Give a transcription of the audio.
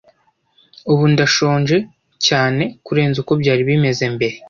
Ubu ndashonje cyane kurenza uko byari bimeze mbere.